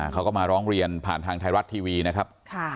เขาก็มาร้องเรียนผ่านทางไทยรัฐทีวีนะครับ